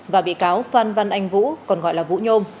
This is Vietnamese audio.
và bị cáo phan văn anh vũ còn gọi là vũ nhôm